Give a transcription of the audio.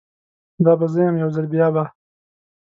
دا به زه یم، یوځل بیابه